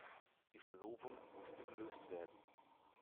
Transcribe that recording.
Die Verlobung musste gelöst werden.